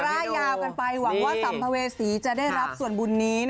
ร่ายยาวกันไปหวังว่าสัมภเวษีจะได้รับส่วนบุญนี้